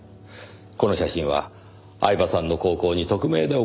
この写真は饗庭さんの高校に匿名で送られてきたそうです。